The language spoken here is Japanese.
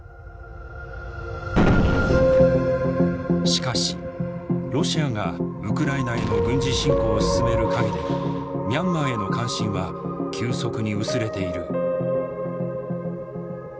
しかしロシアがウクライナへの軍事侵攻を進める陰でミャンマーへの関心は急速に薄れている。